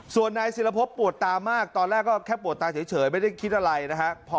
ส่วนนายศิรพบปวดตามากตอนแรกก็แค่ปวดตาเฉยไม่ได้คิดอะไรนะฮะ